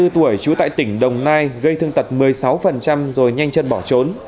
ba mươi tuổi trú tại tỉnh đồng nai gây thương tật một mươi sáu rồi nhanh chân bỏ trốn